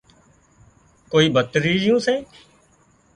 ڪوئي ڀتريزيون سي